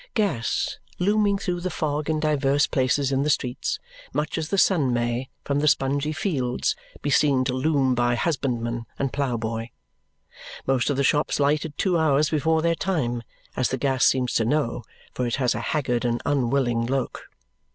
Gas looming through the fog in divers places in the streets, much as the sun may, from the spongey fields, be seen to loom by husbandman and ploughboy. Most of the shops lighted two hours before their time as the gas seems to know, for it has a haggard and unwilling look.